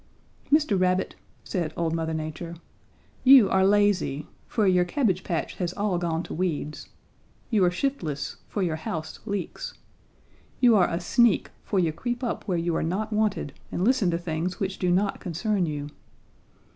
"'Mr. Rabbit,' said old Mother Nature, 'you are lazy, for your cabbage patch has all gone to weeds. You are shiftless, for your house leaks. You are a sneak, for you creep up where you are not wanted and listen to things which do not concern you.